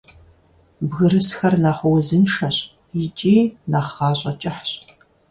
Бгырысхэр нэхъ узыншэщ икӏи нэхъ гъащӀэ кӀыхьщ.